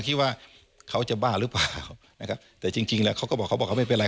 ที่ว่าเขาจะบ้าหรือเปล่านะครับแต่จริงจริงแล้วเขาก็บอกเขาบอกเขาไม่เป็นไร